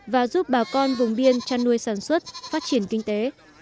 và giúp bà con vùng biên chăn nuôi sản xuất phát triển kinh tế